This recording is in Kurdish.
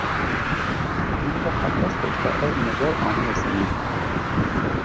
Min di helbestekî de ev mijara aniye ziman.